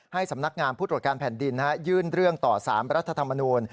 สำนักงานผู้ตรวจการแผ่นดินยื่นเรื่องต่อ๓รัฐธรรมนูล